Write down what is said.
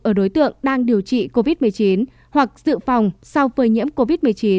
ở đối tượng đang điều trị covid một mươi chín hoặc dự phòng sau phơi nhiễm covid một mươi chín